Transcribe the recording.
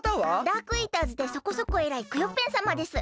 ダークイーターズでそこそこえらいクヨッペンさまです。